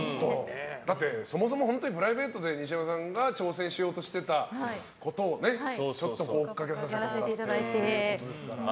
だってそもそもプライベートで西山さんが挑戦しようとしてたことを追っかけさせていただいてますから。